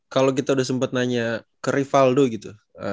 kalau kita udah sempat nanya ke rivaldo gitu